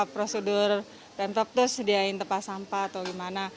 prosedur tentu tentu sediakan tempat sampah atau gimana